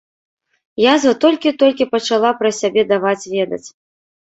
Язва толькі-толькі пачала пра сябе даваць ведаць.